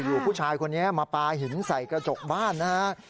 อยู่ผู้ชายคนนี้มาปลาหินใส่กระจกบ้านนะฮะ